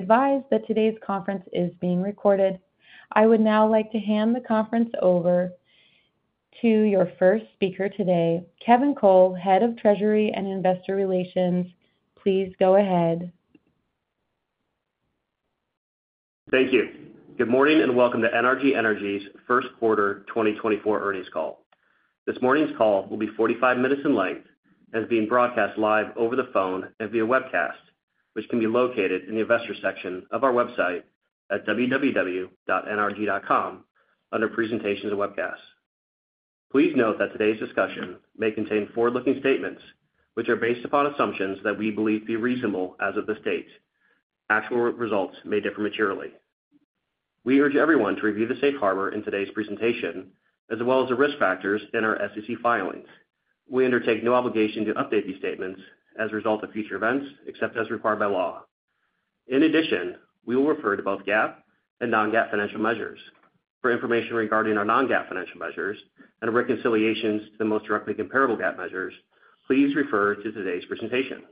Please be advised that today's conference is being recorded. I would now like to hand the conference over to your first speaker today, Kevin Cole, Head of Treasury and Investor Relations. Please go ahead. Thank you. Good morning and welcome to NRG Energy's first quarter 2024 earnings call. This morning's call will be 45 minutes in length and is being broadcast live over the phone and via webcast, which can be located in the investor section of our website at www.nrg.com under presentations and webcasts. Please note that today's discussion may contain forward-looking statements which are based upon assumptions that we believe to be reasonable as of this date. Actual results may differ materially. We urge everyone to review the safe harbor in today's presentation as well as the risk factors in our SEC filings. We undertake no obligation to update these statements as a result of future events except as required by law. In addition, we will refer to both GAAP and Non-GAAP financial measures. For information regarding our non-GAAP financial measures and reconciliations to the most directly comparable GAAP measures, please refer to today's presentation.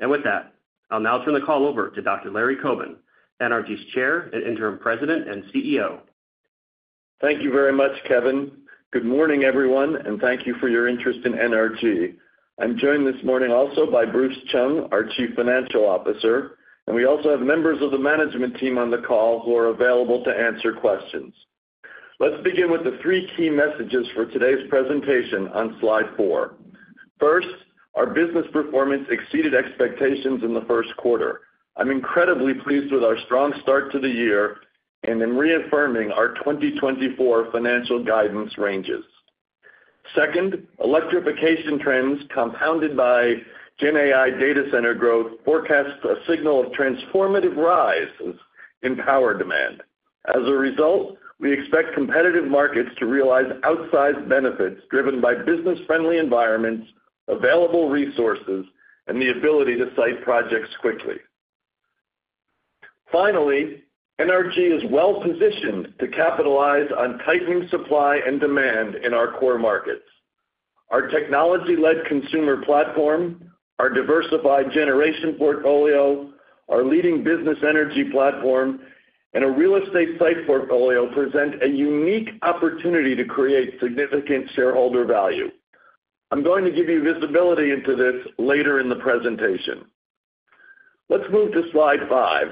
With that, I'll now turn the call over to Dr. Larry Coben, NRG's Chair and Interim President and CEO. Thank you very much, Kevin. Good morning, everyone, and thank you for your interest in NRG. I'm joined this morning also by Bruce Chung, our Chief Financial Officer, and we also have members of the management team on the call who are available to answer questions. Let's begin with the three key messages for today's presentation on slide four. First, our business performance exceeded expectations in the first quarter. I'm incredibly pleased with our strong start to the year and in reaffirming our 2024 financial guidance ranges. Second, electrification trends compounded by GenAI data center growth forecast a signal of transformative rises in power demand. As a result, we expect competitive markets to realize outsized benefits driven by business-friendly environments, available resources, and the ability to site projects quickly. Finally, NRG is well positioned to capitalize on tightening supply and demand in our core markets. Our technology-led consumer platform, our diversified generation portfolio, our leading business energy platform, and a real estate site portfolio present a unique opportunity to create significant shareholder value. I'm going to give you visibility into this later in the presentation. Let's move to slide five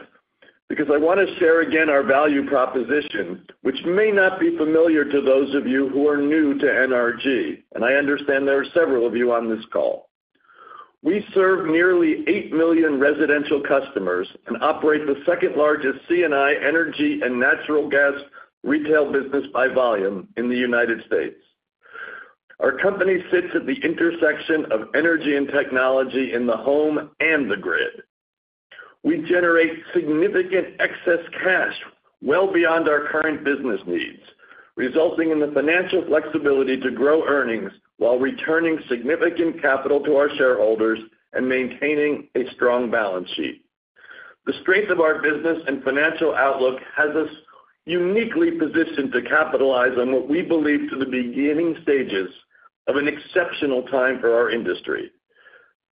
because I want to share again our value proposition, which may not be familiar to those of you who are new to NRG, and I understand there are several of you on this call. We serve nearly eight million residential customers and operate the second largest C&I energy and natural gas retail business by volume in the United States. Our company sits at the intersection of energy and technology in the home and the grid. We generate significant excess cash well beyond our current business needs, resulting in the financial flexibility to grow earnings while returning significant capital to our shareholders and maintaining a strong balance sheet. The strength of our business and financial outlook has us uniquely positioned to capitalize on what we believe to be the beginning stages of an exceptional time for our industry.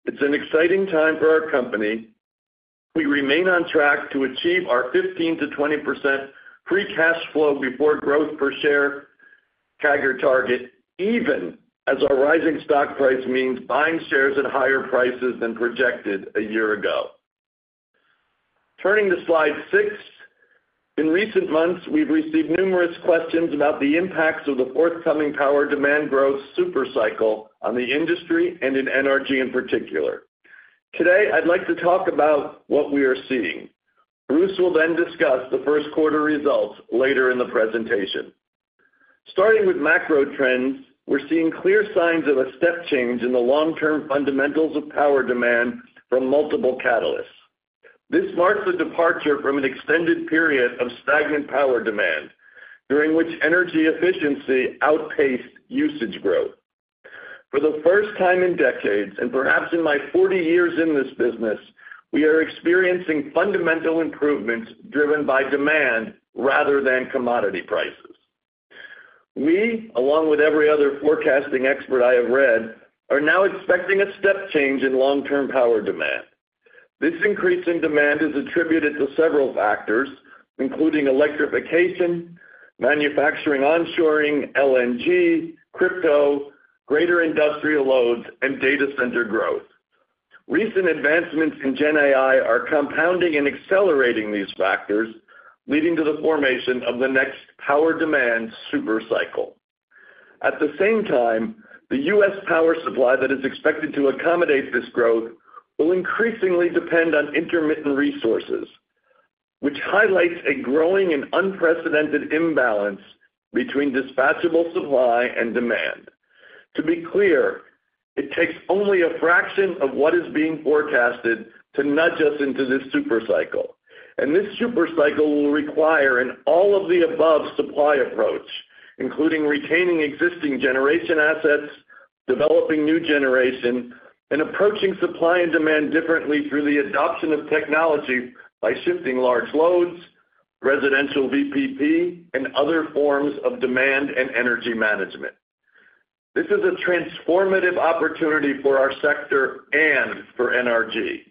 It's an exciting time for our company. We remain on track to achieve our 15%-20% free cash flow before growth per share CAGR target, even as our rising stock price means buying shares at higher prices than projected a year ago. Turning to slide six, in recent months, we've received numerous questions about the impacts of the forthcoming power demand growth supercycle on the industry and in NRG in particular. Today, I'd like to talk about what we are seeing. Bruce will then discuss the first quarter results later in the presentation. Starting with macro trends, we're seeing clear signs of a step change in the long-term fundamentals of power demand from multiple catalysts. This marks a departure from an extended period of stagnant power demand during which energy efficiency outpaced usage growth. For the first time in decades, and perhaps in my 40 years in this business, we are experiencing fundamental improvements driven by demand rather than commodity prices. We, along with every other forecasting expert I have read, are now expecting a step change in long-term power demand. This increase in demand is attributed to several factors, including electrification, manufacturing onshoring, LNG, crypto, greater industrial loads, and data center growth. Recent advancements in GenAI are compounding and accelerating these factors, leading to the formation of the next power demand supercycle. At the same time, the U.S. power supply that is expected to accommodate this growth will increasingly depend on intermittent resources, which highlights a growing and unprecedented imbalance between dispatchable supply and demand. To be clear, it takes only a fraction of what is being forecasted to nudge us into this supercycle. And this supercycle will require an all-of-the-above supply approach, including retaining existing generation assets, developing new generation, and approaching supply and demand differently through the adoption of technology by shifting large loads, residential VPP, and other forms of demand and energy management. This is a transformative opportunity for our sector and for NRG.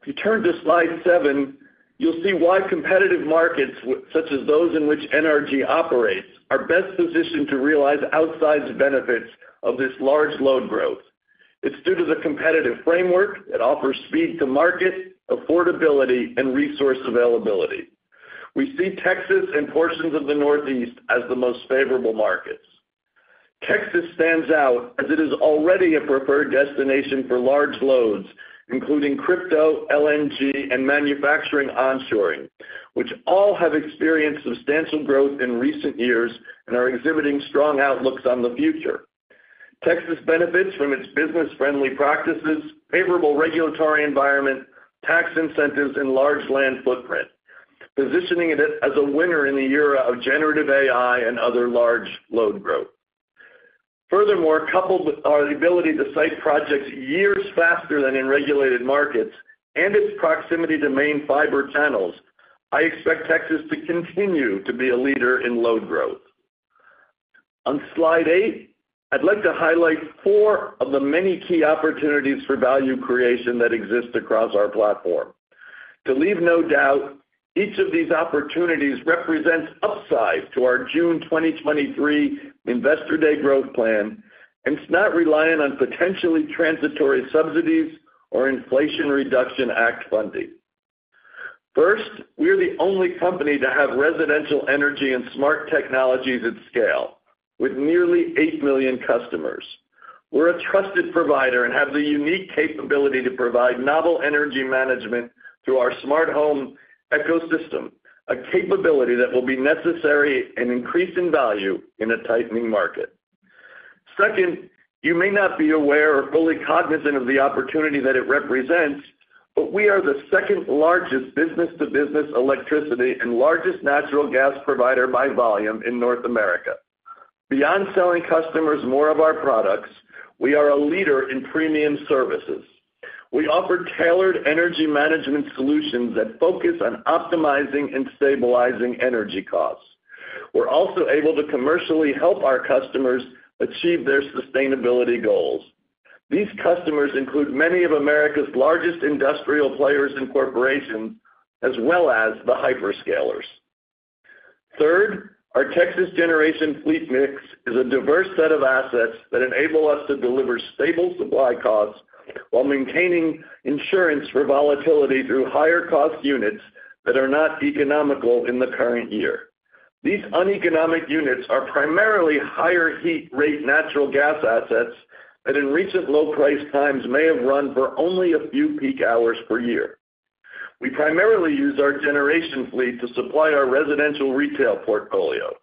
If you turn to slide seven, you'll see why competitive markets, such as those in which NRG operates, are best positioned to realize outsized benefits of this large load growth. It's due to the competitive framework that offers speed to market, affordability, and resource availability. We see Texas and portions of the Northeast as the most favorable markets. Texas stands out as it is already a preferred destination for large loads, including crypto, LNG, and manufacturing onshoring, which all have experienced substantial growth in recent years and are exhibiting strong outlooks on the future. Texas benefits from its business-friendly practices, favorable regulatory environment, tax incentives, and large land footprint, positioning it as a winner in the era of generative AI and other large load growth. Furthermore, coupled with our ability to cite projects years faster than in regulated markets and its proximity to main fiber channels, I expect Texas to continue to be a leader in load growth. On slide eight, I'd like to highlight four of the many key opportunities for value creation that exist across our platform. To leave no doubt, each of these opportunities represents upside to our June 2023 Investor Day growth plan and is not reliant on potentially transitory subsidies or Inflation Reduction Act funding. First, we are the only company to have residential energy and smart technologies at scale with nearly 8 million customers. We're a trusted provider and have the unique capability to provide novel energy management through our smart home ecosystem, a capability that will be necessary and increasing value in a tightening market. Second, you may not be aware or fully cognizant of the opportunity that it represents, but we are the second largest business-to-business electricity and largest natural gas provider by volume in North America. Beyond selling customers more of our products, we are a leader in premium services. We offer tailored energy management solutions that focus on optimizing and stabilizing energy costs. We're also able to commercially help our customers achieve their sustainability goals. These customers include many of America's largest industrial players and corporations, as well as the hyperscalers. Third, our Texas generation fleet mix is a diverse set of assets that enable us to deliver stable supply costs while maintaining insurance for volatility through higher-cost units that are not economical in the current year. These uneconomic units are primarily higher-heat rate natural gas assets that, in recent low-price times, may have run for only a few peak hours per year. We primarily use our generation fleet to supply our residential retail portfolio,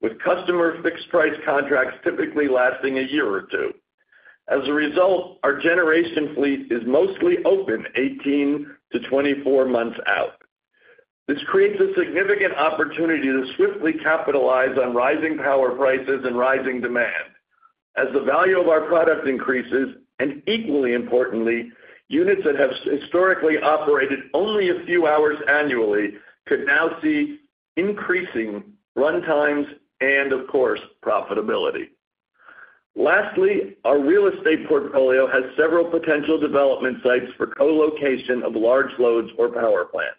with customer fixed-price contracts typically lasting a year or two. As a result, our generation fleet is mostly open 18-24 months out. This creates a significant opportunity to swiftly capitalize on rising power prices and rising demand as the value of our product increases and, equally importantly, units that have historically operated only a few hours annually could now see increasing runtimes and, of course, profitability. Lastly, our real estate portfolio has several potential development sites for colocation of large loads or power plants.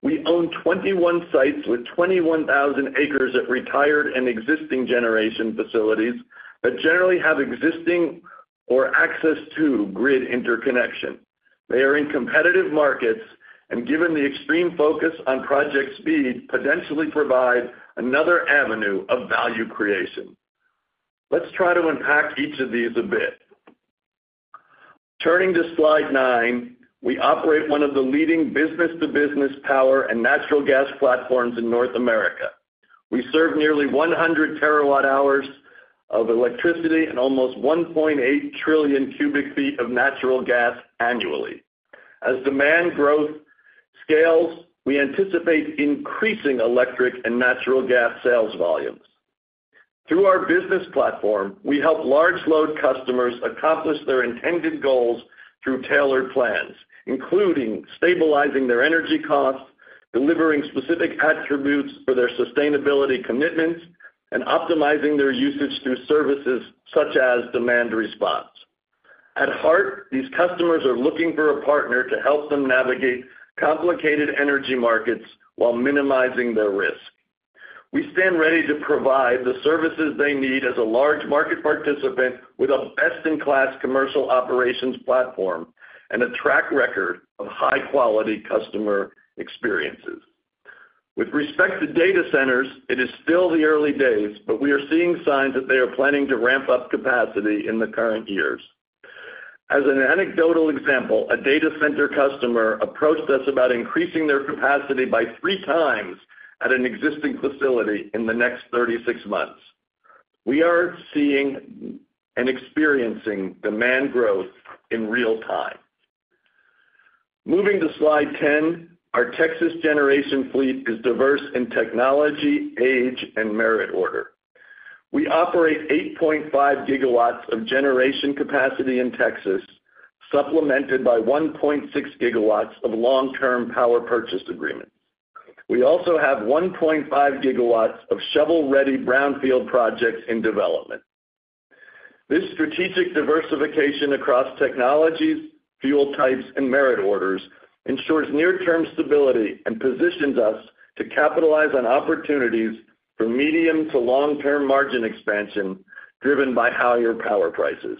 We own 21 sites with 21,000 acres at retired and existing generation facilities that generally have existing or access to grid interconnection. They are in competitive markets and, given the extreme focus on project speed, potentially provide another avenue of value creation. Let's try to unpack each of these a bit. Turning to slide nine, we operate one of the leading business-to-business power and natural gas platforms in North America. We serve nearly 100 TWh of electricity and almost 1.8 Tcf of natural gas annually. As demand growth scales, we anticipate increasing electric and natural gas sales volumes. Through our business platform, we help large-load customers accomplish their intended goals through tailored plans, including stabilizing their energy costs, delivering specific attributes for their sustainability commitments, and optimizing their usage through services such as demand response. At heart, these customers are looking for a partner to help them navigate complicated energy markets while minimizing their risk. We stand ready to provide the services they need as a large market participant with a best-in-class commercial operations platform and a track record of high-quality customer experiences. With respect to data centers, it is still the early days, but we are seeing signs that they are planning to ramp up capacity in the current years. As an anecdotal example, a data center customer approached us about increasing their capacity by 3x at an existing facility in the next 36 months. We are seeing and experiencing demand growth in real time. Moving to slide 10, our Texas generation fleet is diverse in technology, age, and merit order. We operate 8.5 gigawatts of generation capacity in Texas, supplemented by 1.6 gigawatts of long-term power purchase agreements. We also have 1.5 gigawatts of shovel-ready brownfield projects in development. This strategic diversification across technologies, fuel types, and merit orders ensures near-term stability and positions us to capitalize on opportunities for medium to long-term margin expansion driven by higher power prices.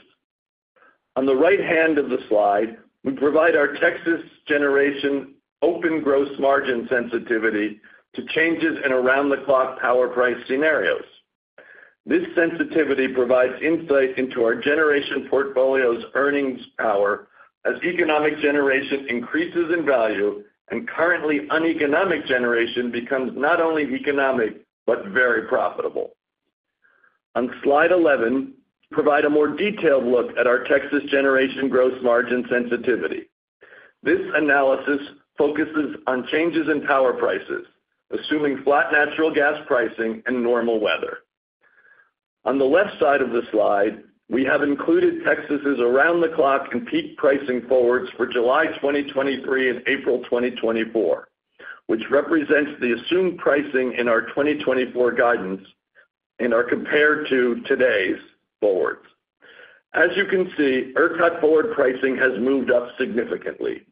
On the right hand of the slide, we provide our Texas generation open gross margin sensitivity to changes in around-the-clock power price scenarios. This sensitivity provides insight into our generation portfolio's earnings power as economic generation increases in value and currently uneconomic generation becomes not only economic but very profitable. On slide 11, we provide a more detailed look at our Texas generation gross margin sensitivity. This analysis focuses on changes in power prices, assuming flat natural gas pricing and normal weather. On the left side of the slide, we have included Texas's around-the-clock and peak pricing forwards for July 2023 and April 2024, which represents the assumed pricing in our 2024 guidance and are compared to today's forwards. As you can see, ERCOT forward pricing has moved up significantly.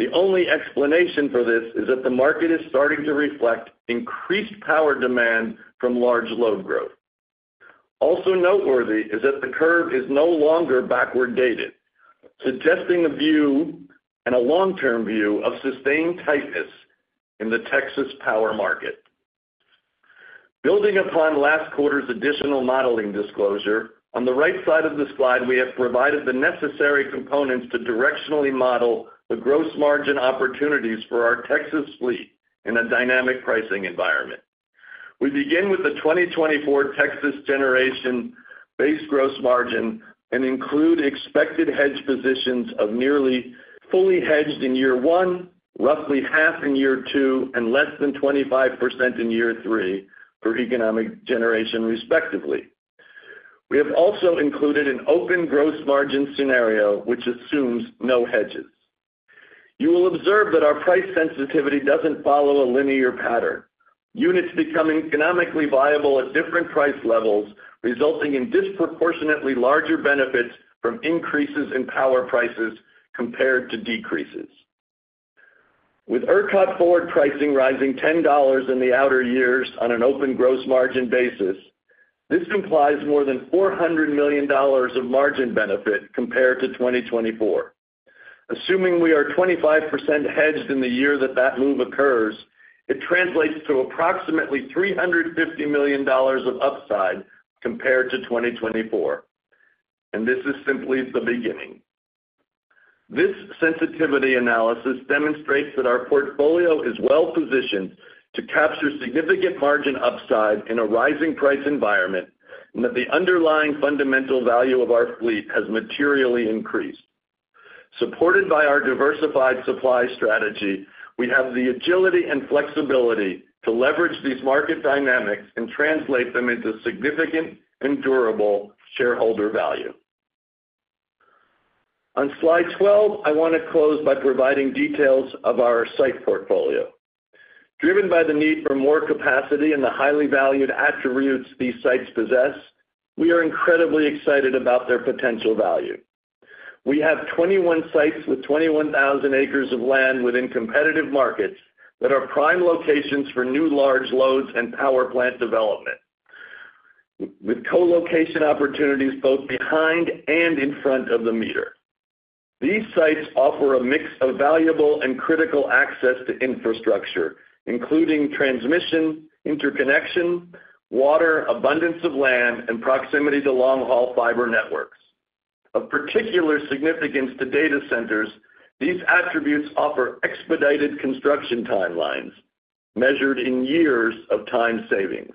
The only explanation for this is that the market is starting to reflect increased power demand from large load growth. Also noteworthy is that the curve is no longer backwardated, suggesting a view and a long-term view of sustained tightness in the Texas power market. Building upon last quarter's additional modeling disclosure, on the right side of the slide, we have provided the necessary components to directionally model the gross margin opportunities for our Texas fleet in a dynamic pricing environment. We begin with the 2024 Texas generation base gross margin and include expected hedge positions of nearly fully hedged in year one, roughly half in year two, and less than 25% in year three for economic generation, respectively. We have also included an open gross margin scenario, which assumes no hedges. You will observe that our price sensitivity doesn't follow a linear pattern. Units become economically viable at different price levels, resulting in disproportionately larger benefits from increases in power prices compared to decreases. With ERCOT forward pricing rising $10 in the outer years on an open gross margin basis, this implies more than $400 million of margin benefit compared to 2024. Assuming we are 25% hedged in the year that that move occurs, it translates to approximately $350 million of upside compared to 2024. This is simply the beginning. This sensitivity analysis demonstrates that our portfolio is well positioned to capture significant margin upside in a rising price environment and that the underlying fundamental value of our fleet has materially increased. Supported by our diversified supply strategy, we have the agility and flexibility to leverage these market dynamics and translate them into significant and durable shareholder value. On slide 12, I want to close by providing details of our site portfolio. Driven by the need for more capacity and the highly valued attributes these sites possess, we are incredibly excited about their potential value. We have 21 sites with 21,000 acres of land within competitive markets that are prime locations for new large loads and power plant development, with colocation opportunities both behind and in front of the meter. These sites offer a mix of valuable and critical access to infrastructure, including transmission, interconnection, water, abundance of land, and proximity to long-haul fiber networks. Of particular significance to data centers, these attributes offer expedited construction timelines, measured in years of time savings.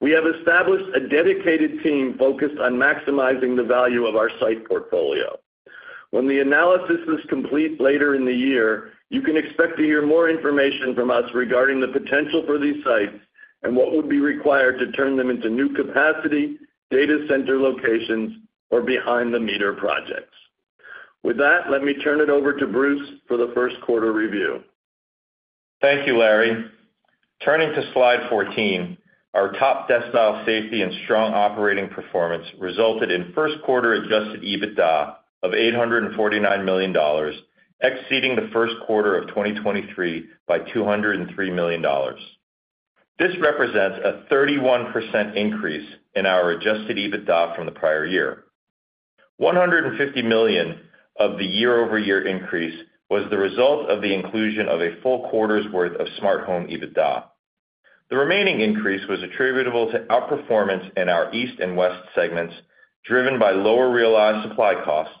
We have established a dedicated team focused on maximizing the value of our site portfolio. When the analysis is complete later in the year, you can expect to hear more information from us regarding the potential for these sites and what would be required to turn them into new capacity, data center locations, or behind-the-meter projects. With that, let me turn it over to Bruce for the first quarter review. Thank you, Larry. Turning to slide 14, our top decile safety and strong operating performance resulted in first-quarter adjusted EBITDA of $849 million, exceeding the first quarter of 2023 by $203 million. This represents a 31% increase in our adjusted EBITDA from the prior year. $150 million of the year-over-year increase was the result of the inclusion of a full quarter's worth of smart home EBITDA. The remaining increase was attributable to outperformance in our east and west segments, driven by lower realized supply costs,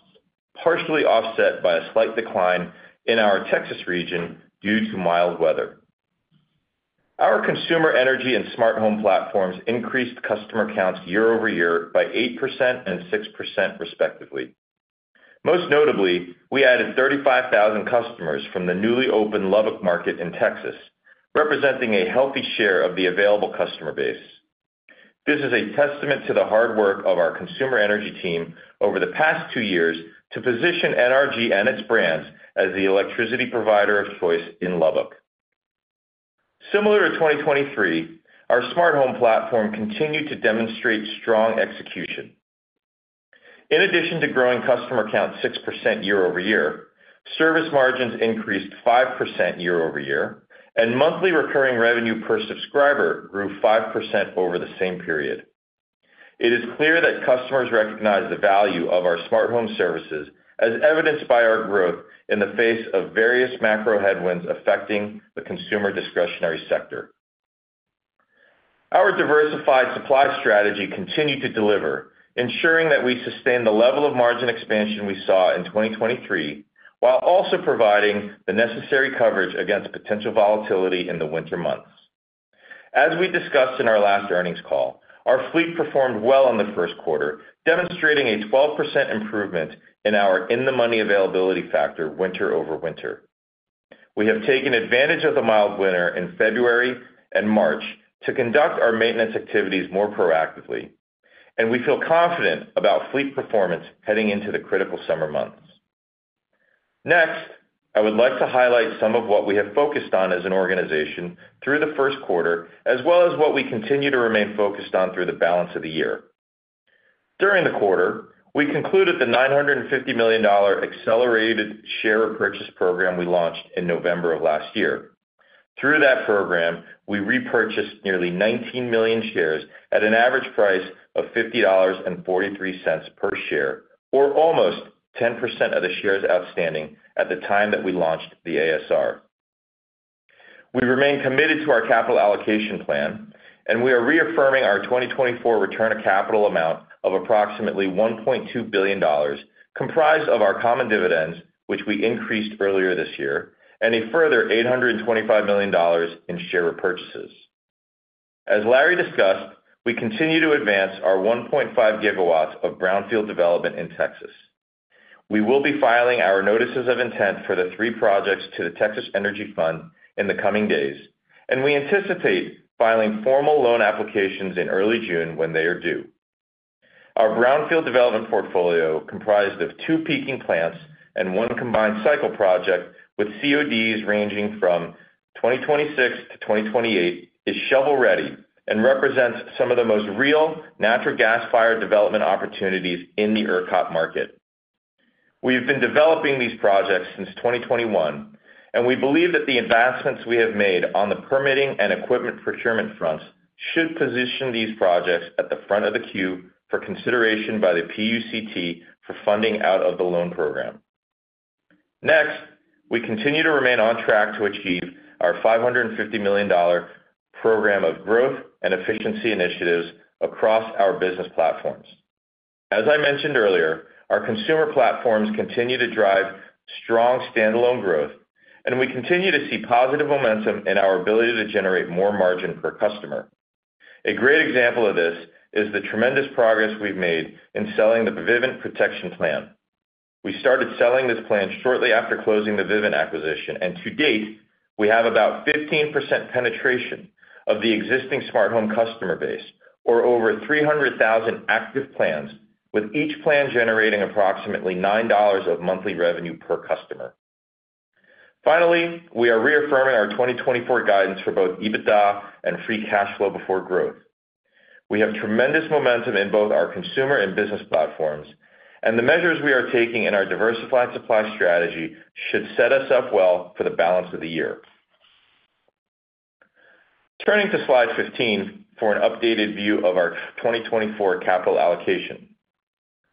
partially offset by a slight decline in our Texas region due to mild weather. Our consumer energy and smart home platforms increased customer counts year over year by 8% and 6%, respectively. Most notably, we added 35,000 customers from the newly open Lubbock market in Texas, representing a healthy share of the available customer base. This is a testament to the hard work of our consumer energy team over the past two years to position NRG and its brands as the electricity provider of choice in Lubbock. Similar to 2023, our smart home platform continued to demonstrate strong execution. In addition to growing customer count 6% year-over-year, service margins increased 5% year-over-year, and monthly recurring revenue per subscriber grew 5% over the same period. It is clear that customers recognize the value of our smart home services, as evidenced by our growth in the face of various macro headwinds affecting the consumer discretionary sector. Our diversified supply strategy continued to deliver, ensuring that we sustained the level of margin expansion we saw in 2023 while also providing the necessary coverage against potential volatility in the winter months. As we discussed in our last earnings call, our fleet performed well in the first quarter, demonstrating a 12% improvement in our in-the-money availability factor winter over winter. We have taken advantage of the mild winter in February and March to conduct our maintenance activities more proactively, and we feel confident about fleet performance heading into the critical summer months. Next, I would like to highlight some of what we have focused on as an organization through the first quarter, as well as what we continue to remain focused on through the balance of the year. During the quarter, we concluded the $950 million accelerated share repurchase program we launched in November of last year. Through that program, we repurchased nearly 19 million shares at an average price of $50.43 per share, or almost 10% of the shares outstanding at the time that we launched the ASR. We remain committed to our capital allocation plan, and we are reaffirming our 2024 return of capital amount of approximately $1.2 billion, comprised of our common dividends, which we increased earlier this year, and a further $825 million in share repurchases. As Larry discussed, we continue to advance our 1.5 GW of brownfield development in Texas. We will be filing our notices of intent for the three projects to the Texas Energy Fund in the coming days, and we anticipate filing formal loan applications in early June when they are due. Our brownfield development portfolio, comprised of two peaking plants and one combined cycle project with CODs ranging from 2026 to 2028, is shovel-ready and represents some of the most real natural gas-fired development opportunities in the ERCOT market. We have been developing these projects since 2021, and we believe that the advancements we have made on the permitting and equipment procurement fronts should position these projects at the front of the queue for consideration by the PUCT for funding out of the loan program. Next, we continue to remain on track to achieve our $550 million program of growth and efficiency initiatives across our business platforms. As I mentioned earlier, our consumer platforms continue to drive strong standalone growth, and we continue to see positive momentum in our ability to generate more margin per customer. A great example of this is the tremendous progress we've made in selling the Vivint Protection Plan. We started selling this plan shortly after closing the Vivint acquisition, and to date, we have about 15% penetration of the existing smart home customer base, or over 300,000 active plans, with each plan generating approximately $9 of monthly revenue per customer. Finally, we are reaffirming our 2024 guidance for both EBITDA and free cash flow before growth. We have tremendous momentum in both our consumer and business platforms, and the measures we are taking in our diversified supply strategy should set us up well for the balance of the year. Turning to slide 15 for an updated view of our 2024 capital allocation.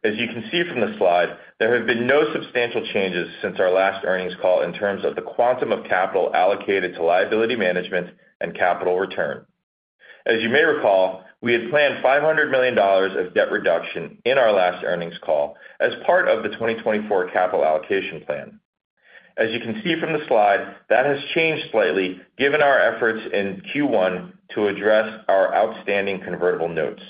As you can see from the slide, there have been no substantial changes since our last earnings call in terms of the quantum of capital allocated to liability management and capital return. As you may recall, we had planned $500 million of debt reduction in our last earnings call as part of the 2024 capital allocation plan. As you can see from the slide, that has changed slightly given our efforts in Q1 to address our outstanding convertible notes.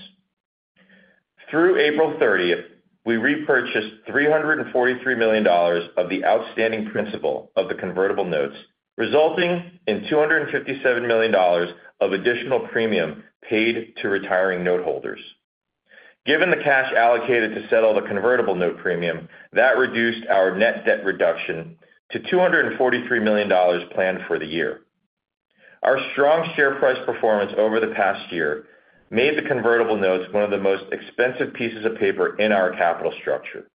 Through April 30th, we repurchased $343 million of the outstanding principal of the convertible notes, resulting in $257 million of additional premium paid to retiring noteholders. Given the cash allocated to settle the convertible note premium, that reduced our net debt reduction to $243 million planned for the year. Our strong share price performance over the past year made the convertible notes one of the most expensive pieces of paper in our capital structure.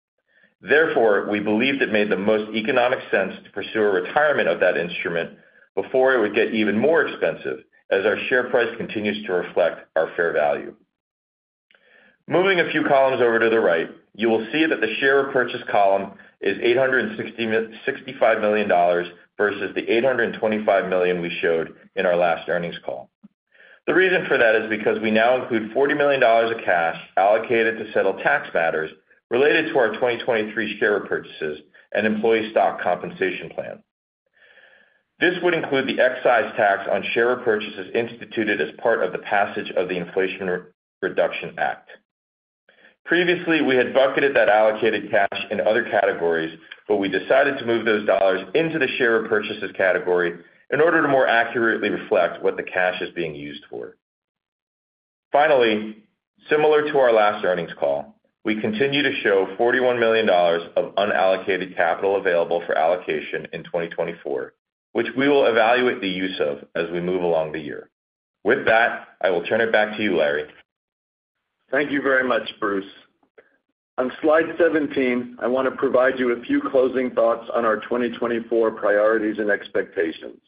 Therefore, we believe it made the most economic sense to pursue a retirement of that instrument before it would get even more expensive, as our share price continues to reflect our fair value. Moving a few columns over to the right, you will see that the share repurchase column is $865 million versus the $825 million we showed in our last earnings call. The reason for that is because we now include $40 million of cash allocated to settle tax matters related to our 2023 share repurchases and employee stock compensation plan. This would include the excise tax on share repurchases instituted as part of the passage of the Inflation Reduction Act. Previously, we had bucketed that allocated cash in other categories, but we decided to move those dollars into the share repurchases category in order to more accurately reflect what the cash is being used for. Finally, similar to our last earnings call, we continue to show $41 million of unallocated capital available for allocation in 2024, which we will evaluate the use of as we move along the year. With that, I will turn it back to you, Larry. Thank you very much, Bruce. On slide 17, I want to provide you a few closing thoughts on our 2024 priorities and expectations.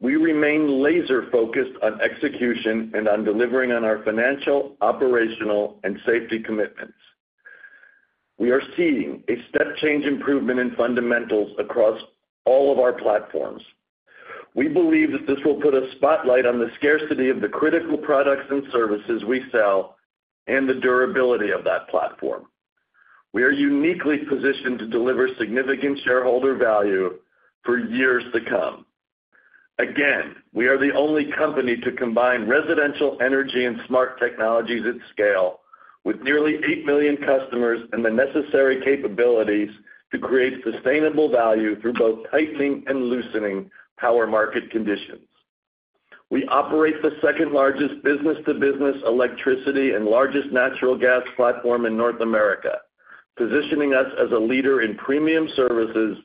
We remain laser-focused on execution and on delivering on our financial, operational, and safety commitments. We are seeing a step-change improvement in fundamentals across all of our platforms. We believe that this will put a spotlight on the scarcity of the critical products and services we sell and the durability of that platform. We are uniquely positioned to deliver significant shareholder value for years to come. Again, we are the only company to combine residential energy and smart technologies at scale with nearly 8 million customers and the necessary capabilities to create sustainable value through both tightening and loosening power market conditions. We operate the second-largest business-to-business electricity and largest natural gas platform in North America, positioning us as a leader in premium services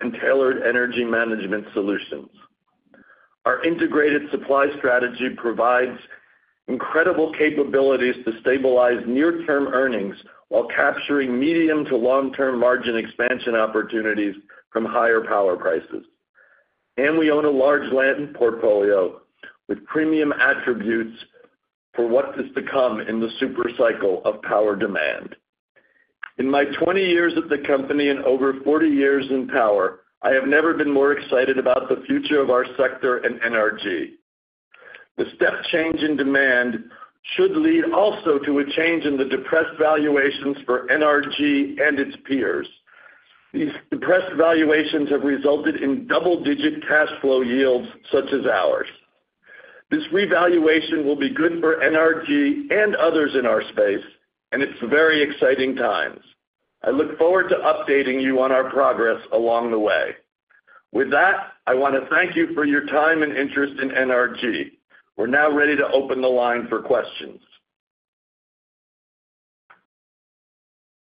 and tailored energy management solutions. Our integrated supply strategy provides incredible capabilities to stabilize near-term earnings while capturing medium to long-term margin expansion opportunities from higher power prices. We own a large land portfolio with premium attributes for what is to come in the supercycle of power demand. In my 20 years at the company and over 40 years in power, I have never been more excited about the future of our sector and NRG. The step-change in demand should lead also to a change in the depressed valuations for NRG and its peers. These depressed valuations have resulted in double-digit cash flow yields such as ours. This revaluation will be good for NRG and others in our space, and it's very exciting times. I look forward to updating you on our progress along the way. With that, I want to thank you for your time and interest in NRG. We're now ready to open the line for questions.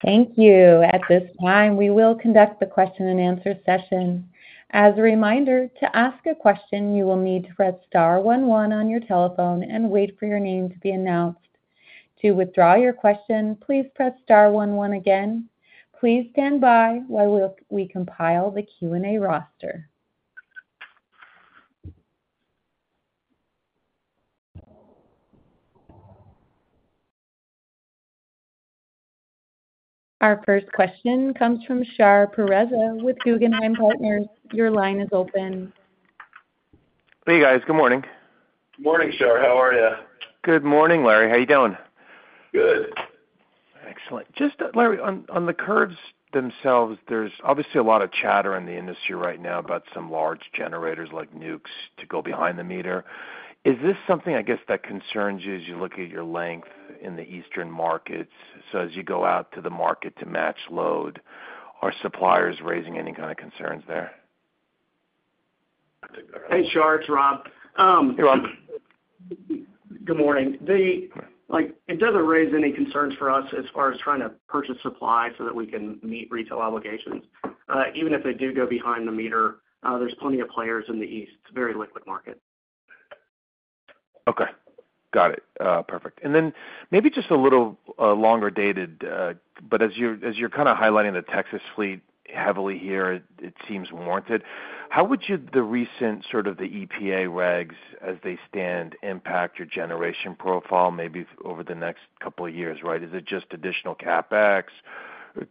Thank you. At this time, we will conduct the question-and-answer session. As a reminder, to ask a question, you will need to press star 11 on your telephone and wait for your name to be announced. To withdraw your question, please press star 11 again. Please stand by while we compile the Q&A roster. Our first question comes from Shahriar Pourreza with Guggenheim Partners. Your line is open. Hey, guys. Good morning. Good morning, Shahriar. How are you? Good morning, Larry. How are you doing? Good. Excellent. Just, Larry, on the curves themselves, there's obviously a lot of chatter in the industry right now about some large generators like Nukes to go behind the meter. Is this something, I guess, that concerns you as you look at your length in the eastern markets? So as you go out to the market to match load, are suppliers raising any kind of concerns there? Hey, Shar. It's Rob. Hey, Rob. Good morning. It doesn't raise any concerns for us as far as trying to purchase supply so that we can meet retail obligations. Even if they do go behind the meter, there's plenty of players in the east. It's a very liquid market. Okay. Got it. Perfect. Then maybe just a little longer dated, but as you're kind of highlighting the Texas fleet heavily here, it seems warranted. How would the recent sort of the EPA regs, as they stand, impact your generation profile maybe over the next couple of years, right? Is it just additional CapEx?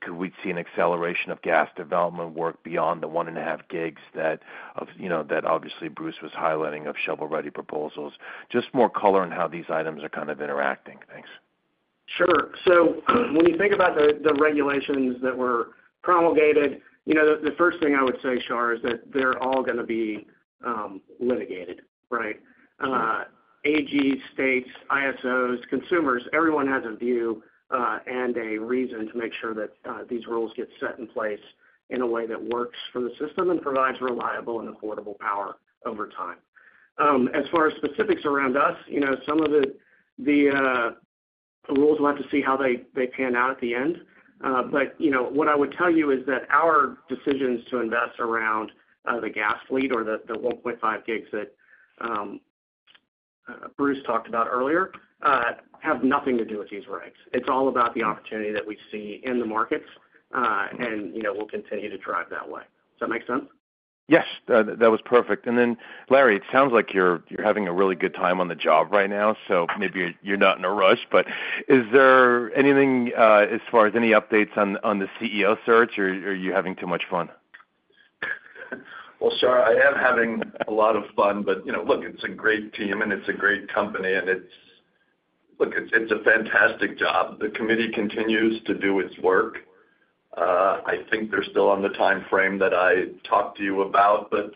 Could we see an acceleration of gas development work beyond the 1.5 gigs that obviously Bruce was highlighting of shovel-ready proposals? Just more color in how these items are kind of interacting. Thanks. Sure. So when you think about the regulations that were promulgated, the first thing I would say, Shar, is that they're all going to be litigated, right? AGs, states, ISOs, consumers, everyone has a view and a reason to make sure that these rules get set in place in a way that works for the system and provides reliable and affordable power over time. As far as specifics around us, some of the rules will have to see how they pan out at the end. But what I would tell you is that our decisions to invest around the gas fleet or the 1.5 gigs that Bruce talked about earlier have nothing to do with these regs. It's all about the opportunity that we see in the markets, and we'll continue to drive that way. Does that make sense? Yes. That was perfect. And then, Larry, it sounds like you're having a really good time on the job right now, so maybe you're not in a rush. But is there anything as far as any updates on the CEO search, or are you having too much fun? Well, Shar, I am having a lot of fun. But look, it's a great team, and it's a great company, and look, it's a fantastic job. The committee continues to do its work. I think they're still on the time frame that I talked to you about, but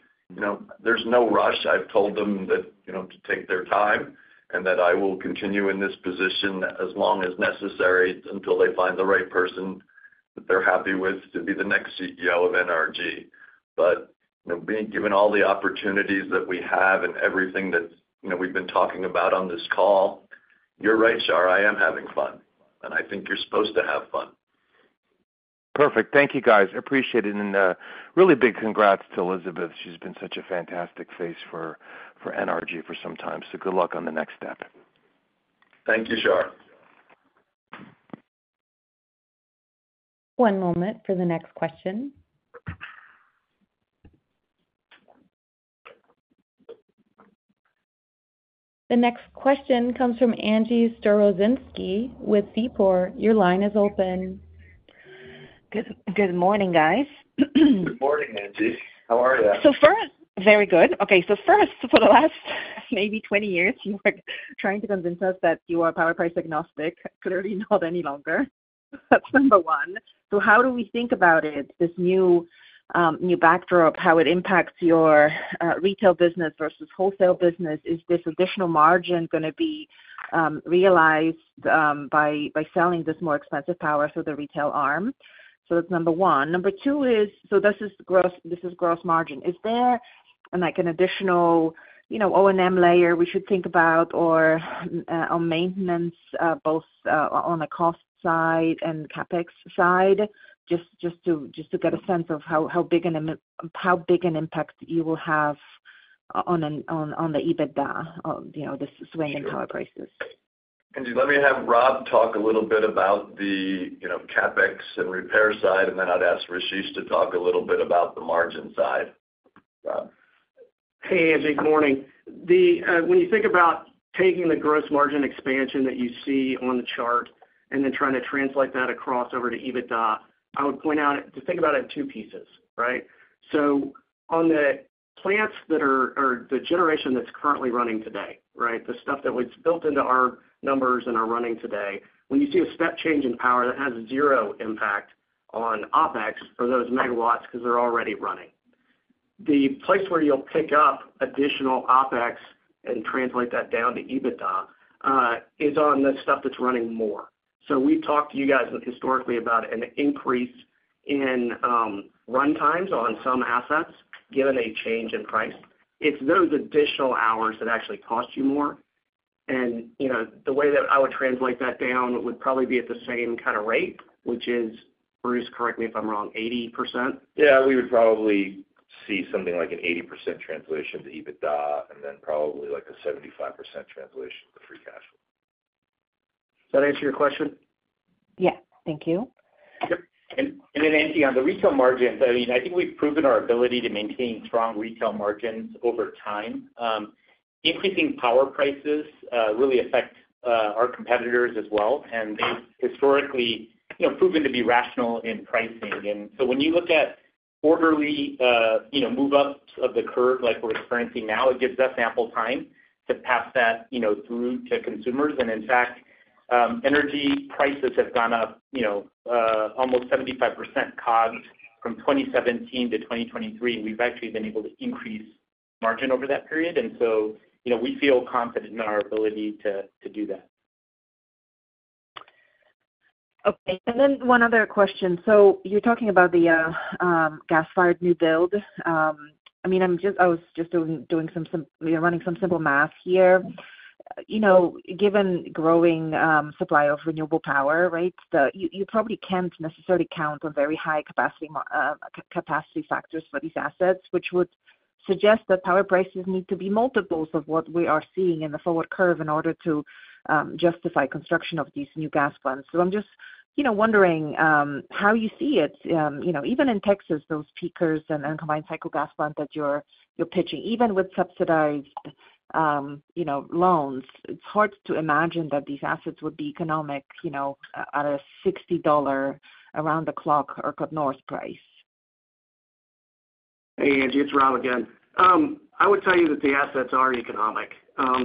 there's no rush. I've told them to take their time and that I will continue in this position as long as necessary until they find the right person that they're happy with to be the next CEO of NRG. But given all the opportunities that we have and everything that we've been talking about on this call, you're right, Shar. I am having fun, and I think you're supposed to have fun. Perfect. Thank you, guys. Appreciate it. And really big congrats to Elizabeth. She's been such a fantastic face for NRG for some time. So good luck on the next step. Thank you, Shahriar. One moment for the next question. The next question comes from Angie Storozynski with Seaport. Your line is open. Good morning, guys. Good morning, Angie. How are you? Very good. Okay. So first, for the last maybe 20 years, you were trying to convince us that you are power price agnostic, clearly not any longer. That's number one. So how do we think about it, this new backdrop, how it impacts your retail business versus wholesale business? Is this additional margin going to be realized by selling this more expensive power through the retail arm? So that's number one. Number two is so this is gross margin. Is there an additional O&M layer we should think about or maintenance both on the cost side and CapEx side, just to get a sense of how big an impact you will have on the EBITDA, this swing in power prices? Angie, let me have Rob talk a little bit about the CapEx and repair side, and then I'd ask Rasesh to talk a little bit about the margin side. Hey, Angie. Good morning. When you think about taking the gross margin expansion that you see on the chart and then trying to translate that across over to EBITDA, I would point out to think about it in two pieces, right? So on the plants that are or the generation that's currently running today, right, the stuff that was built into our numbers and are running today, when you see a step-change in power, that has zero impact on OpEx for those megawatts because they're already running. The place where you'll pick up additional OpEx and translate that down to EBITDA is on the stuff that's running more. So we've talked to you guys historically about an increase in run times on some assets given a change in price. It's those additional hours that actually cost you more. The way that I would translate that down would probably be at the same kind of rate, which is, Bruce, correct me if I'm wrong, 80%. Yeah. We would probably see something like an 80% translation to EBITDA and then probably a 75% translation to free cash flow. Does that answer your question? Yes. Thank you. Yep. And then, Angie, on the retail margins, I mean, I think we've proven our ability to maintain strong retail margins over time. Increasing power prices really affect our competitors as well, and they've historically proven to be rational in pricing. And so when you look at orderly move-ups of the curve like we're experiencing now, it gives us ample time to pass that through to consumers. And in fact, energy prices have gone up almost 75% COGS from 2017 to 2023, and we've actually been able to increase margin over that period. And so we feel confident in our ability to do that. Okay. One other question. So you're talking about the gas-fired new build. I mean, I was just running some simple math here. Given growing supply of renewable power, right, you probably can't necessarily count on very high capacity factors for these assets, which would suggest that power prices need to be multiples of what we are seeing in the forward curve in order to justify construction of these new gas plants. So I'm just wondering how you see it. Even in Texas, those peakers and combined cycle gas plant that you're pitching, even with subsidized loans, it's hard to imagine that these assets would be economic at a $60 around-the-clock or cut-north price. Hey, Angie. It's Rob again. I would tell you that the assets are economic.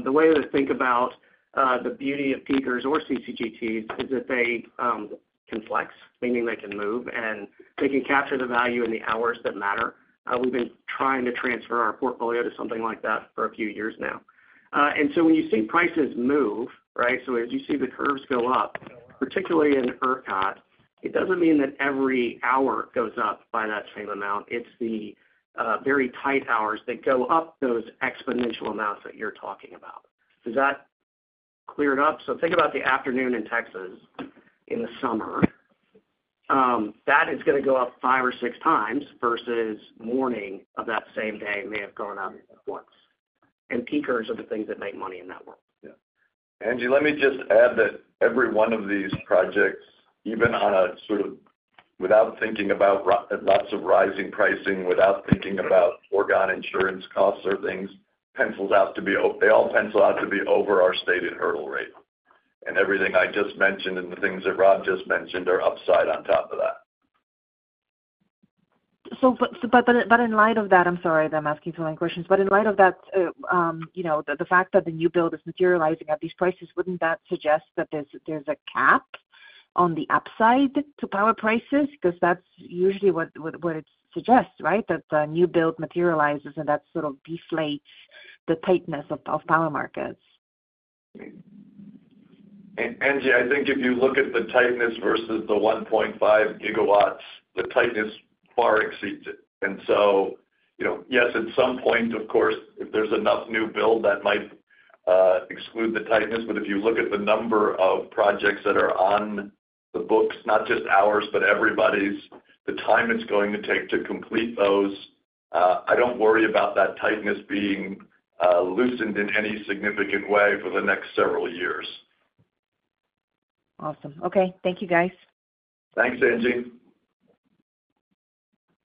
The way to think about the beauty of peakers or CCGTs is that they can flex, meaning they can move, and they can capture the value in the hours that matter. We've been trying to transfer our portfolio to something like that for a few years now. So when you see prices move, right, so as you see the curves go up, particularly in ERCOT, it doesn't mean that every hour goes up by that same amount. It's the very tight hours that go up those exponential amounts that you're talking about. Does that clear it up? So think about the afternoon in Texas in the summer. That is going to go up five or six times versus morning of that same day, may have gone up once. Peakers are the things that make money in that world. Yeah. Angie, let me just add that every one of these projects, even on a sort of without thinking about lots of rising pricing, without thinking about foregone insurance costs or things, pencils out to be. They all pencil out to be over our stated hurdle rate. And everything I just mentioned and the things that Rob just mentioned are upside on top of that. But in light of that, I'm sorry that I'm asking so many questions. But in light of that, the fact that the new build is materializing at these prices, wouldn't that suggest that there's a cap on the upside to power prices? Because that's usually what it suggests, right, that the new build materializes, and that sort of deflates the tightness of power markets. Angie, I think if you look at the tightness versus the 1.5 gigawatts, the tightness far exceeds it. And so yes, at some point, of course, if there's enough new build, that might exclude the tightness. But if you look at the number of projects that are on the books, not just ours, but everybody's, the time it's going to take to complete those, I don't worry about that tightness being loosened in any significant way for the next several years. Awesome. Okay. Thank you, guys. Thanks, Angie.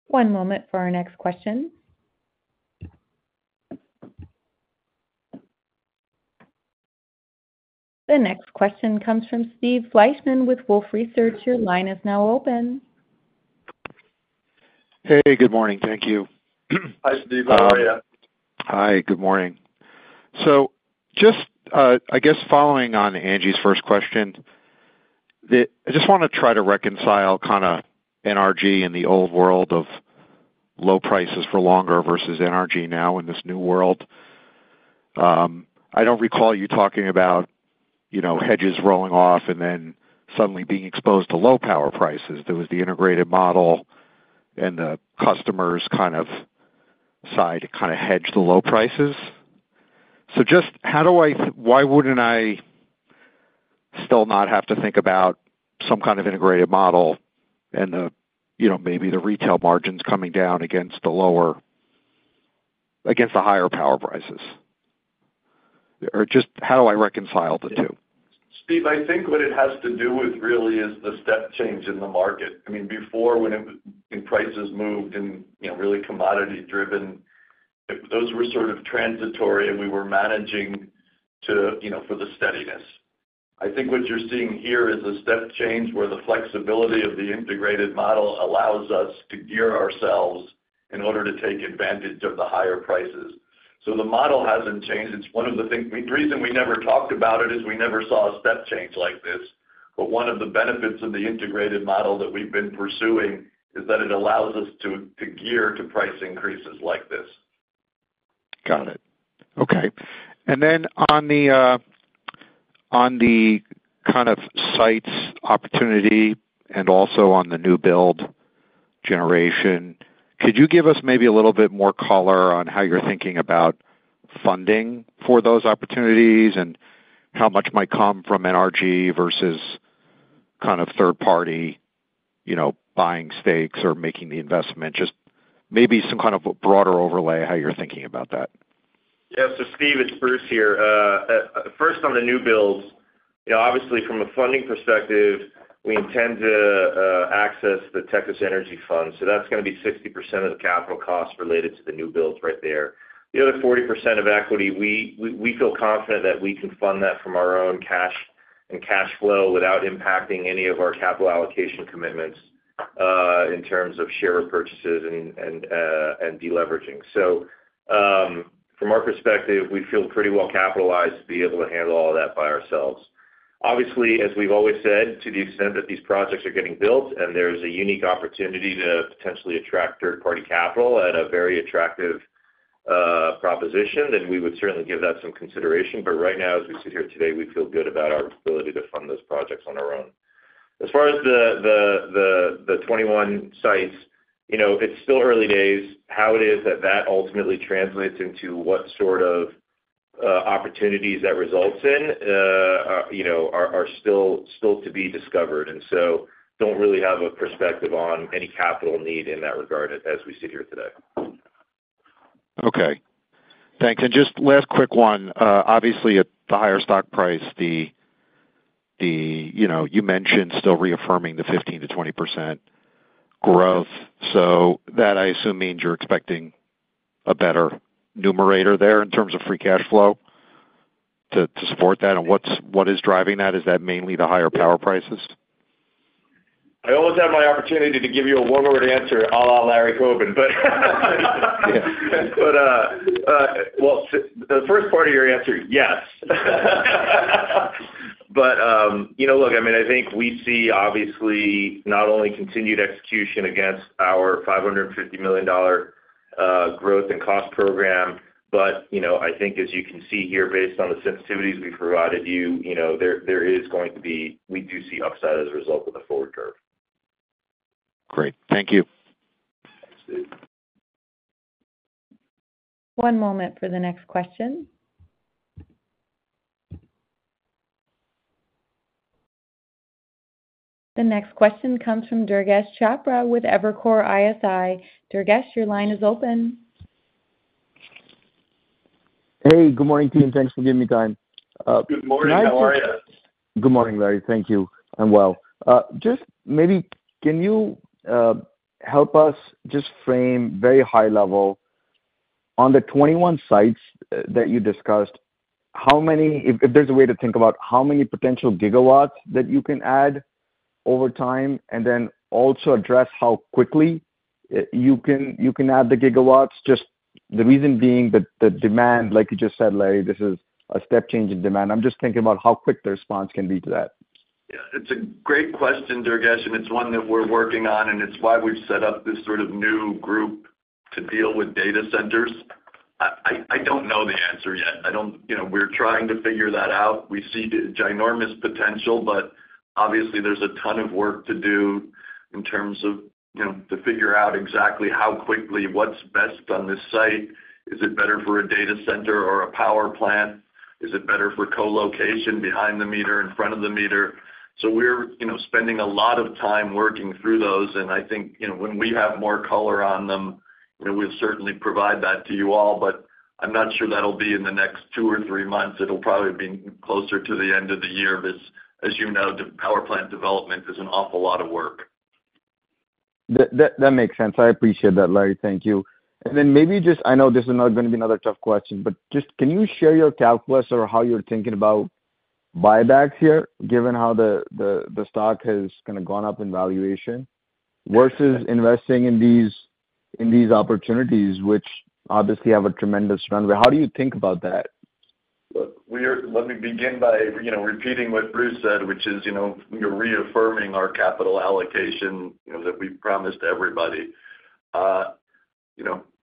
One moment for our next question. The next question comes from Steve Fleishman with Wolfe Research. Your line is now open. Hey. Good morning. Thank you. Hi, Steve. How are you? Hi. Good morning. So just, I guess, following on Angie's first question, I just want to try to reconcile kind of NRG and the old world of low prices for longer versus NRG now in this new world. I don't recall you talking about hedges rolling off and then suddenly being exposed to low power prices. There was the integrated model, and the customer's kind of side kind of hedged the low prices. So just how do I, why wouldn't I still not have to think about some kind of integrated model and maybe the retail margins coming down against the higher power prices? Or just how do I reconcile the two? Steve, I think what it has to do with really is the step-change in the market. I mean, before, when prices moved and really commodity-driven, those were sort of transitory, and we were managing for the steadiness. I think what you're seeing here is a step-change where the flexibility of the integrated model allows us to gear ourselves in order to take advantage of the higher prices. So the model hasn't changed. It's one of the things the reason we never talked about it is we never saw a step-change like this. But one of the benefits of the integrated model that we've been pursuing is that it allows us to gear to price increases like this. Got it. Okay. And then on the kind of sites opportunity and also on the new build generation, could you give us maybe a little bit more color on how you're thinking about funding for those opportunities and how much might come from NRG versus kind of third-party buying stakes or making the investment? Just maybe some kind of broader overlay of how you're thinking about that. Yeah. So Steve, it's Bruce here. First, on the new builds, obviously, from a funding perspective, we intend to access the Texas Energy Fund. So that's going to be 60% of the capital costs related to the new builds right there. The other 40% of equity, we feel confident that we can fund that from our own cash and cash flow without impacting any of our capital allocation commitments in terms of share repurchases and deleveraging. So from our perspective, we feel pretty well capitalized to be able to handle all of that by ourselves. Obviously, as we've always said, to the extent that these projects are getting built and there's a unique opportunity to potentially attract third-party capital at a very attractive proposition, then we would certainly give that some consideration. But right now, as we sit here today, we feel good about our ability to fund those projects on our own. As far as the 21 sites, it's still early days. How it is that that ultimately translates into what sort of opportunities that results in are still to be discovered. So don't really have a perspective on any capital need in that regard as we sit here today. Okay. Thanks. Just last quick one. Obviously, at the higher stock price, you mentioned still reaffirming the 15%-20% growth. So that, I assume, means you're expecting a better numerator there in terms of free cash flow to support that. What is driving that? Is that mainly the higher power prices? I always have my opportunity to give you a one-word answer, a la Larry Coben. But well, the first part of your answer, yes. But look, I mean, I think we see, obviously, not only continued execution against our $550 million growth and cost program, but I think, as you can see here, based on the sensitivities we've provided you, there is going to be we do see upside as a result of the forward curve. Great. Thank you. One moment for the next question. The next question comes from Durgesh Chopra with Evercore ISI. Durgesh, your line is open. Hey. Good morning, team. Thanks for giving me time. Good morning. How are you? Nice. Good morning, Larry. Thank you. I'm well. Just maybe can you help us just frame very high-level on the 21 sites that you discussed, if there's a way to think about how many potential gigawatts that you can add over time and then also address how quickly you can add the gigawatts, just the reason being that the demand, like you just said, Larry, this is a step-change in demand. I'm just thinking about how quick the response can be to that. Yeah. It's a great question, Durgesh, and it's one that we're working on, and it's why we've set up this sort of new group to deal with data centers. I don't know the answer yet. We're trying to figure that out. We see ginormous potential, but obviously, there's a ton of work to do in terms of to figure out exactly how quickly what's best on this site. Is it better for a data center or a power plant? Is it better for colocation behind the meter, in front of the meter? So we're spending a lot of time working through those. And I think when we have more color on them, we'll certainly provide that to you all. But I'm not sure that'll be in the next two or three months. It'll probably be closer to the end of the year. As you know, power plant development is an awful lot of work. That makes sense. I appreciate that, Larry. Thank you. Then maybe just I know this is not going to be another tough question, but just can you share your calculus or how you're thinking about buybacks here, given how the stock has kind of gone up in valuation, versus investing in these opportunities, which obviously have a tremendous runway? How do you think about that? Look, let me begin by repeating what Bruce said, which is we are reaffirming our capital allocation that we promised everybody.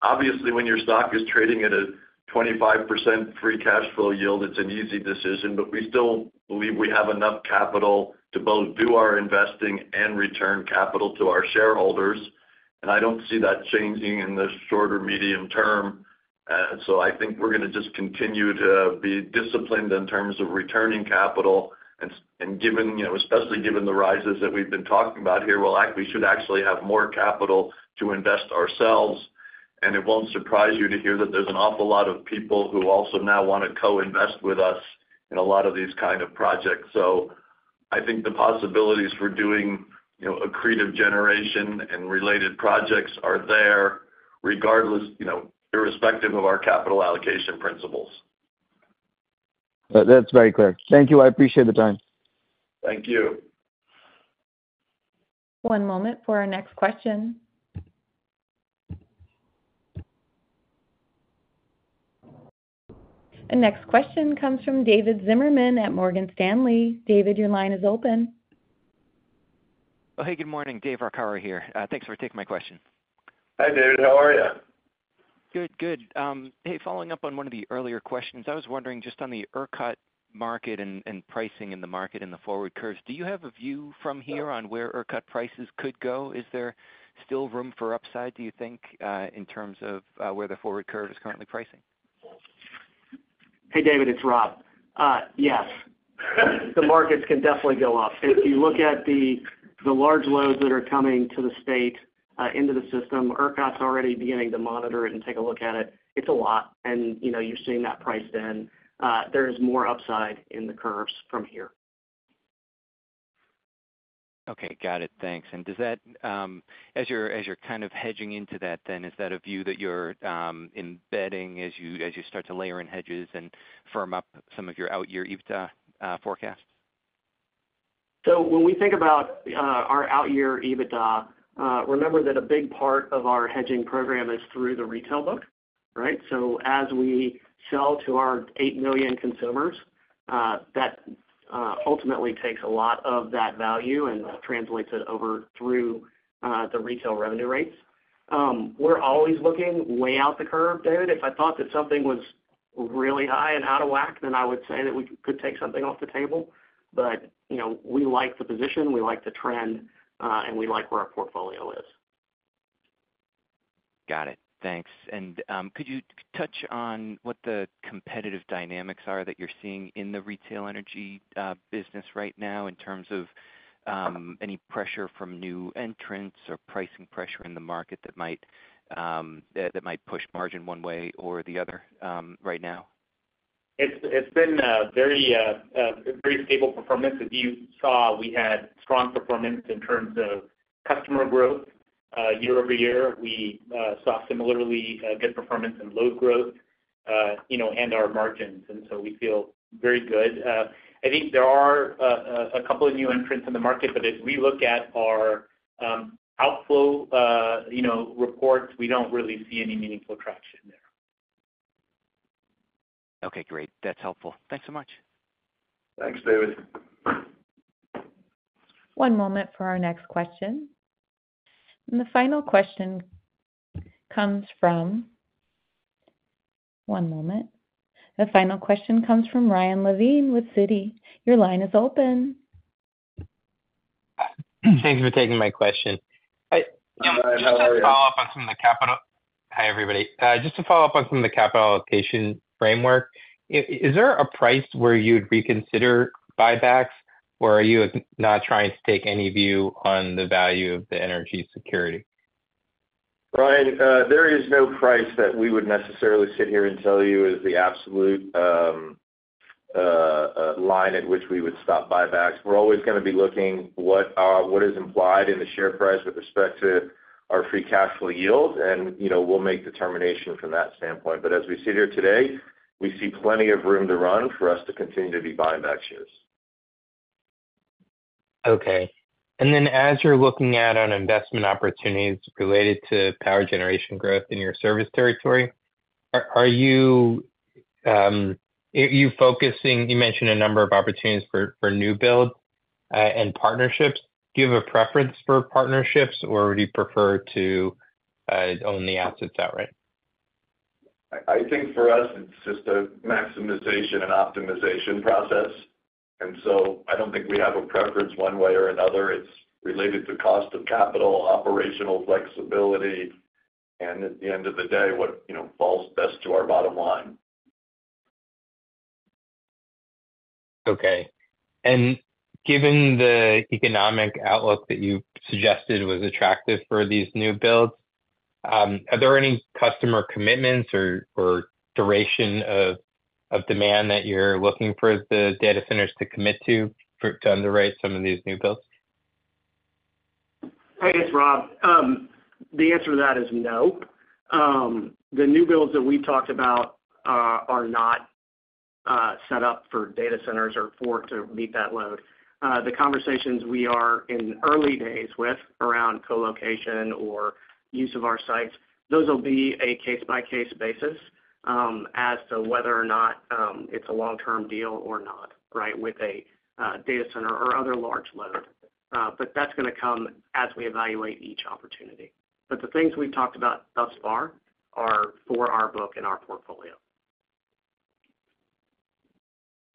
Obviously, when your stock is trading at a 25% free cash flow yield, it's an easy decision. But we still believe we have enough capital to both do our investing and return capital to our shareholders. And I don't see that changing in the shorter-medium term. So I think we're going to just continue to be disciplined in terms of returning capital. And especially given the rises that we've been talking about here, we should actually have more capital to invest ourselves. And it won't surprise you to hear that there's an awful lot of people who also now want to co-invest with us in a lot of these kind of projects. So I think the possibilities for doing accretive generation and related projects are there, irrespective of our capital allocation principles. That's very clear. Thank you. I appreciate the time. Thank you. One moment for our next question. The next question comes from David Arcaro at Morgan Stanley. David, your line is open. Oh, hey. Good morning. David Arcaro here. Thanks for taking my question. Hi, David. How are you? Good. Good. Hey, following up on one of the earlier questions, I was wondering just on the ERCOT market and pricing in the market and the forward curves, do you have a view from here on where ERCOT prices could go? Is there still room for upside, do you think, in terms of where the forward curve is currently pricing? Hey, David. It's Rob. Yes. The markets can definitely go up. If you look at the large loads that are coming to the state into the system, ERCOT's already beginning to monitor it and take a look at it. It's a lot, and you're seeing that priced in. There is more upside in the curves from here. Okay. Got it. Thanks. As you're kind of hedging into that then, is that a view that you're embedding as you start to layer in hedges and firm up some of your out-year EBITDA forecasts? So when we think about our out-year EBITDA, remember that a big part of our hedging program is through the retail book, right? So as we sell to our eight million consumers, that ultimately takes a lot of that value and translates it over through the retail revenue rates. We're always looking way out the curve, David. If I thought that something was really high and out of whack, then I would say that we could take something off the table. But we like the position. We like the trend, and we like where our portfolio is. Got it. Thanks. Could you touch on what the competitive dynamics are that you're seeing in the retail energy business right now in terms of any pressure from new entrants or pricing pressure in the market that might push margin one way or the other right now? It's been very stable performance. As you saw, we had strong performance in terms of customer growth year-over-year. We saw similarly good performance in load growth and our margins. So we feel very good. I think there are a couple of new entrants in the market, but as we look at our outflow reports, we don't really see any meaningful traction there. Okay. Great. That's helpful. Thanks so much. Thanks, David. One moment for our next question. The final question comes from Ryan Levine with Citi. Your line is open. Thanks for taking my question. Just to follow up on some of the capital allocation framework, is there a price where you'd reconsider buybacks, or are you not trying to take any view on the value of the energy security? Ryan, there is no price that we would necessarily sit here and tell you is the absolute line at which we would stop buybacks. We're always going to be looking what is implied in the share price with respect to our free cash flow yield, and we'll make determination from that standpoint. But as we sit here today, we see plenty of room to run for us to continue to be buying back shares. Okay. And then as you're looking at investment opportunities related to power generation growth in your service territory, are you focusing? You mentioned a number of opportunities for new builds and partnerships. Do you have a preference for partnerships, or would you prefer to own the assets outright? I think for us, it's just a maximization and optimization process. And so I don't think we have a preference one way or another. It's related to cost of capital, operational flexibility, and at the end of the day, what falls best to our bottom line. Okay. And given the economic outlook that you suggested was attractive for these new builds, are there any customer commitments or duration of demand that you're looking for the data centers to commit to to underwrite some of these new builds? Hi, it's Rob. The answer to that is no. The new builds that we talked about are not set up for data centers or for to meet that load. The conversations we are in early days with around colocation or use of our sites, those will be a case-by-case basis as to whether or not it's a long-term deal or not, right, with a data center or other large load. But that's going to come as we evaluate each opportunity. But the things we've talked about thus far are for our book and our portfolio.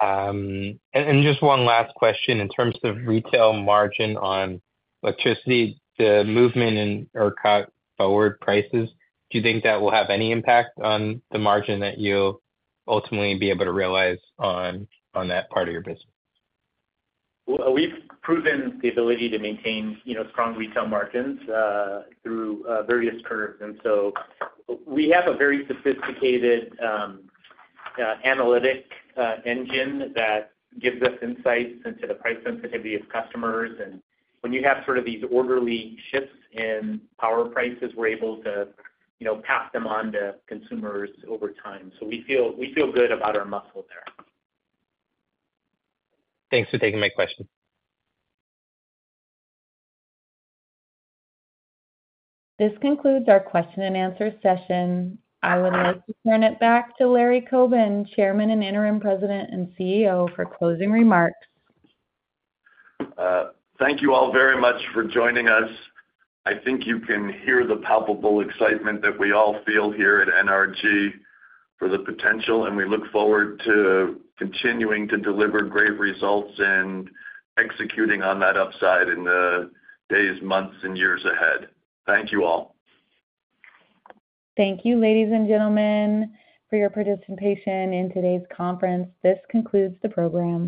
Just one last question. In terms of retail margin on electricity, the movement in ERCOT forward prices, do you think that will have any impact on the margin that you'll ultimately be able to realize on that part of your business? We've proven the ability to maintain strong retail margins through various curves. And so we have a very sophisticated analytics engine that gives us insights into the price sensitivity of customers. And when you have sort of these orderly shifts in power prices, we're able to pass them on to consumers over time. So we feel good about our muscle there. Thanks for taking my question. This concludes our question-and-answer session. I would like to turn it back to Larry Coben, Chairman and Interim President and CEO, for closing remarks. Thank you all very much for joining us. I think you can hear the palpable excitement that we all feel here at NRG for the potential, and we look forward to continuing to deliver great results and executing on that upside in the days, months, and years ahead. Thank you all. Thank you, ladies and gentlemen, for your participation in today's conference. This concludes the program.